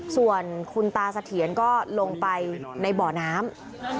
ส่วนคุณตาสะเทียนก็ลงไปในเบาะน้ำ